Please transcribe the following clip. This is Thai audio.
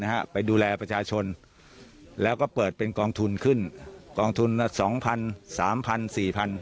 นะฮะไปดูแลประชาชนแล้วก็เปิดเป็นกองทุนขึ้นกองทุนละสองพันสามพันสี่พัน